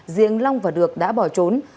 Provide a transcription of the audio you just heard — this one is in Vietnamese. diện long và được đã bỏ trốn